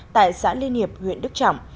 tại xã liên hiệp huyện đức trọng